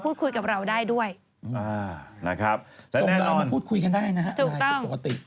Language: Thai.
นี่เดี๋ยวให้ไวเลี่ยวติ